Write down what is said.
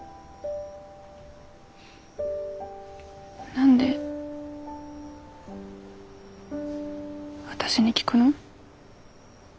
何で私に聞くの？